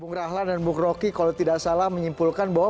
bung rahlan dan bung roky kalau tidak salah menyimpulkan bahwa